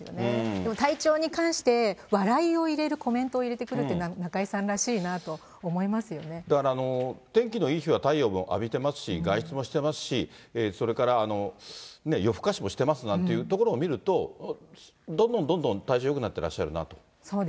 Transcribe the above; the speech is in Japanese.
でも体調に関して、笑いを入れるコメントを入れてくるっていうのが中居さんらしいなだからあの、天気のいい日は太陽も浴びてますし、外出もしてますし、それから夜更かしもしてますなんていうところを見ると、どんどんどんどん体調よくなってらっしゃるなと。